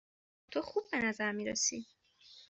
تو خوب به نظر می رسی.